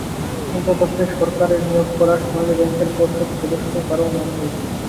কিন্তু তাতে সরকারের নিয়োগ করা সোনালী ব্যাংকের পর্ষদ সদস্য কারও নাম নেই।